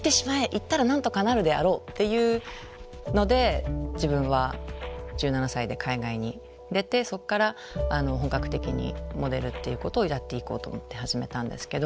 行ったらなんとかなるであろうっていうので自分は１７歳で海外に出てそこから本格的にモデルっていうことをやっていこうと思って始めたんですけど。